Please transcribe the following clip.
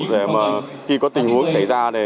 để mà khi có tình huống xảy ra